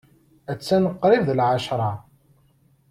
Attan qrib d lɛecṛa.